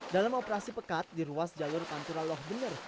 dalam operasi pekat di ruas jalur pantura loh bener